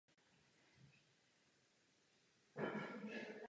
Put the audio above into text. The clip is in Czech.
Odvaha je ale také umění sednout si a naslouchat.